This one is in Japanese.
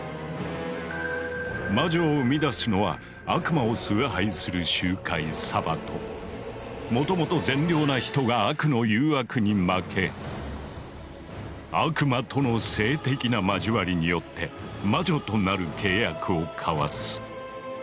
魔女を生み出すのはもともと善良な人が悪の誘惑に負け悪魔との性的な交わりによって魔女となる契約を交わす。